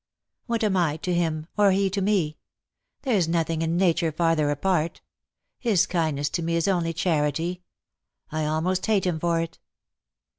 " What am I to him, or he to me ? There's nothing in nature farther apart. His kindness to me is only charity. I almost hate him for it."